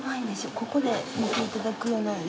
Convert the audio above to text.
ここで見ていただく。